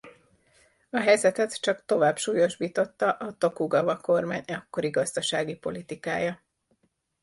A helyzetet csak tovább súlyosbította a Tokugava kormány akkori gazdasági politikája.